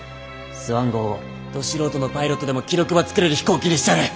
スワン号をど素人のパイロットでも記録ば作れる飛行機にしちゃる。